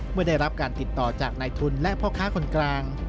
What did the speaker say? เมื่อได้รับการติดต่อจากนายทุนและพ่อค้าคนกลาง